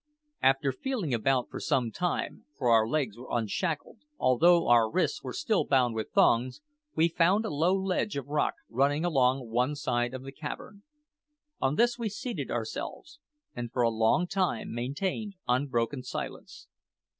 After feeling about for some time for our legs were unshackled, although our wrists were still bound with thongs we found a low ledge of rock running along one side of the cavern. On this we seated ourselves, and for a long time maintained unbroken silence.